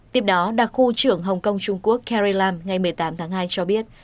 tiếp đó đặc khu trưởng hồng kông trung quốc kere lam ngày một mươi tám tháng hai cho biết